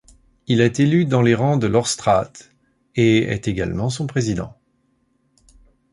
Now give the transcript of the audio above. Il est élu dans les rangs de Ortsrat et est également son président.